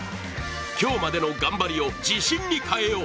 今日までの頑張りを自信に変えよう。